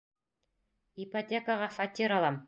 — Ипотекаға фатир алам.